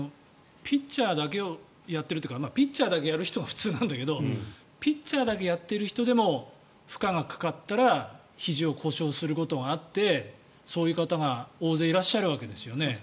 ピッチャーだけをやっているというかピッチャーだけやる人が普通なんだけど、ピッチャーだけやっている人でも負荷がかかったらひじを故障することがあってそういう方が大勢いらっしゃるわけですよね。